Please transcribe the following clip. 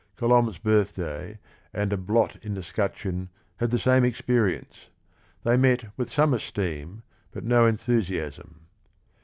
Colomhe's Birthday and A Blot in the 'Scutcheon had the same experience; they met with some esteem, but no enthu siasm.